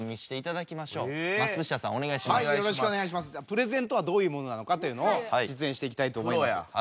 プレゼンとはどういうものなのかというのを実演していきたいと思います。